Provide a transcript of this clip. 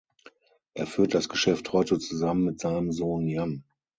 Er führt das Geschäft heute zusammen mit seinem Sohn Yann.